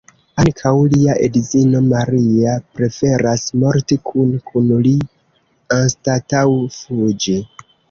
Ankaŭ lia edzino Maria preferas morti kune kun li anstataŭ fuĝi.